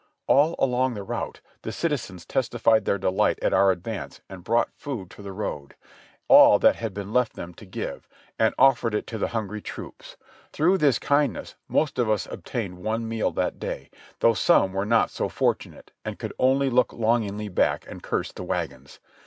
All along the route the citi zens testified their delight at our advance and brought food to the road, all that had been left them to give, and offered it to the hungry troops; through this kindness most of us obtained one meal that day, though some were not so fortunate, and could only look longingly back and curse the wagons.